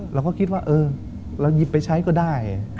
เราก็คิดว่าเออเราหยิบไปใช้ก็ได้